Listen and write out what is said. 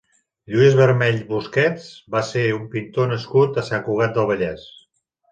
Lluís Vermell i Busquets va ser un pintor nascut a Sant Cugat del Vallès.